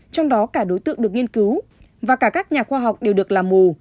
trong đó cả đối tượng được nghiên cứu và cả các nhà khoa học đều được làm mù